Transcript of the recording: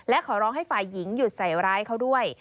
และขอร้องให้ฝ่ายหญิงหยุดใส่ร้ายเขาด้วย